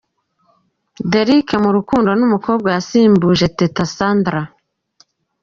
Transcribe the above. Derek mu rukundo n’umukobwa yasimbuje Teta Sandra.